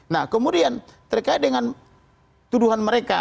nah kemudian terkait dengan tuduhan mereka